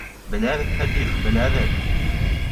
Беләбеҙ, Фәтих, беләбеҙ!